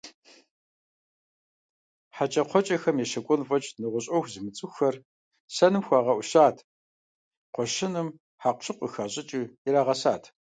ХьэкӀэкхъуэкӀэм ещэкӀуэн фӀэкӀ нэгъуэщӀ Ӏуэху зымыцӀыхухэр сэным хуагъэӀущат, кхъуэщыным хьэкъущыкъу къыхащӀыкӀыу ирагъэсат.